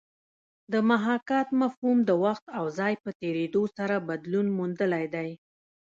د محاکات مفهوم د وخت او ځای په تېرېدو سره بدلون موندلی دی